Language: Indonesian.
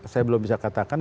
saya belum bisa katakan